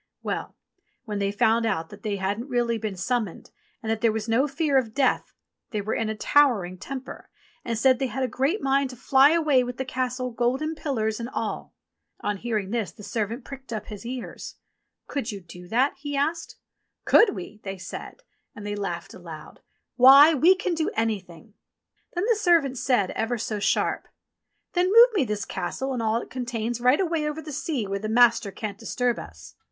Well ! when they found out that they hadn't really been summoned and that there was no fear of death, they were in a towering temper and said they had a great mind to fly away with the Castle, golden pillars and all. On hearing this the servant pricked up his ears. "Could you do that ?" he asked. THE GOLDEN SNUFF BOX 45 "Could we?'* they said, and they laughed loud. "Why, we can do anything." Then the servant said ever so sharp, "Then move me this Castle and all it contains right away over the sea where the master can't disturb us."